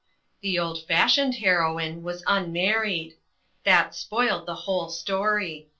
The old fashioned heroine was unmarried. That spoiled the whole story.